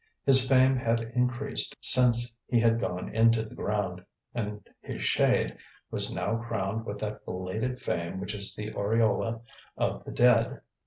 His fame had increased since he had gone into the ground; and his shade was now crowned with that belated fame which is the aureole of the dead.